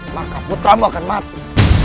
maka putramu akan mati